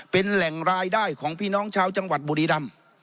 เป็นแหล่งรายได้ของพี่น้องชาวจังหวัดบุรีรำ